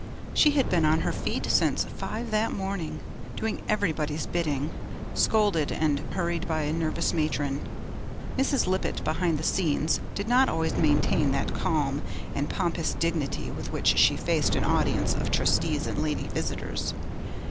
She had been on her feet since five that morning, doing everybody's bidding, scolded and hurried by a nervous matron. Mrs. Lippett, behind the scenes, did not always maintain that calm and pompous dignity with which she faced an audience of Trustees and lady visitors.